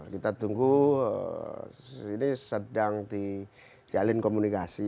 kita tunggu ini sedang di jalin komunikasi